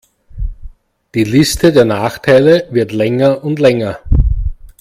Die Liste der Nachteile wird länger und länger.